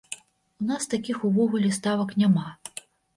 У нас такіх увогуле ставак няма.